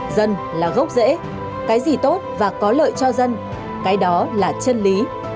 dân là gốc rễ cái gì tốt và có lợi cho dân cái đó là chân lý